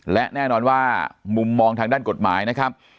และแน่นอนว่ามุมมองทางด้านกฎหมายนะครับ